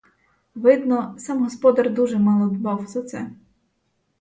Видно, сам господар дуже мало дбав за це.